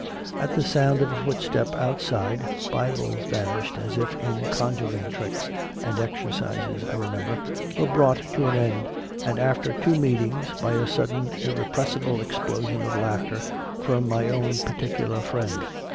At the sound of a footstep out 20 CONFESSIONS OF A CONVERT side, Bibles vanished as if in conjuring tricks, and the exercises, I remember, were brought to an end after two meetings by a sudden irrepressible explosion of laughter from my own particular friend.